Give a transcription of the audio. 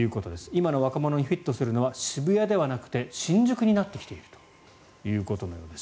今の若者にフィットするのは渋谷ではなくて新宿になってきているということになります。